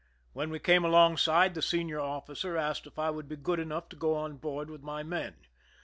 When we came alongside, the senior officer asked if I would be good enough to go on board with my men.